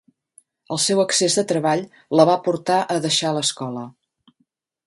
El seu excés de treball la va portar a deixar l'escola.